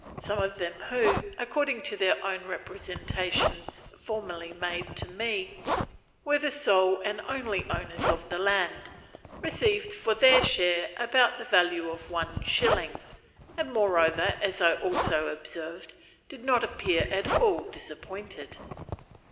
Some of them who, according to their own representations formerly made to me, were the sole and only owners of the land, received for their share about the value of one shilling, and moreover, as I also observed, did not appear at all disappointed.